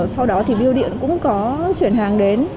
sau đó thì biêu điện cũng có chuyển hàng đến